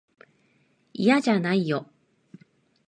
いやじゃないよ。